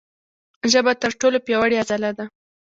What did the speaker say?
ژبه تر ټولو پیاوړې عضله ده.